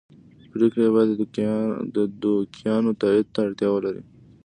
پرېکړې یې باید د دوکیانو تایید ته اړتیا ولري.